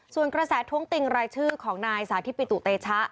ส่วนกระแสท้วงติงรายชื่อของนายสาธิตปิตุเตชะ